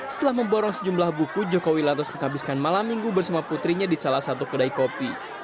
setelah memborong sejumlah buku jokowi lantas menghabiskan malam minggu bersama putrinya di salah satu kedai kopi